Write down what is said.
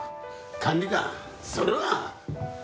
管理官それは。